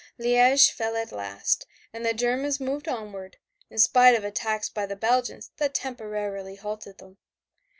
Liège fell at last, and the Germans moved onward, in spite of attacks by the Belgians that temporarily halted them.